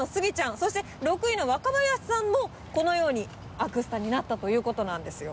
そして６位の若林さんもこのようにアクスタになったということなんですよ。